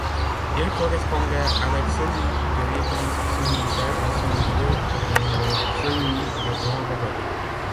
Il correspondait avec celui de l’église Saint-Michel à Saint-Brieuc et avec celui de Lanrodec.